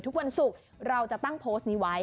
ทุกวันศุกร์เราจะตั้งโพสต์นี้ไว้